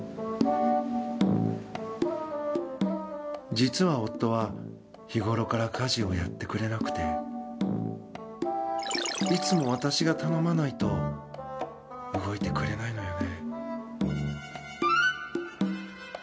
実は夫は日頃から家事をやってくれなくていつも私が頼まないと動いてくれないのよね。